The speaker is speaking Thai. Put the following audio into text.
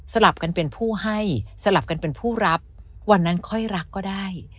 ลับกันเป็นผู้ให้สลับกันเป็นผู้รับวันนั้นค่อยรักก็ได้